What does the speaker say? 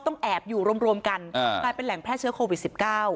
แอบอยู่รวมกันกลายเป็นแหล่งแพร่เชื้อโควิด๑๙